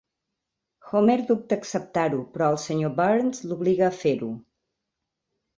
Homer dubta acceptar-ho, però el senyor Burns l'obliga a fer-ho.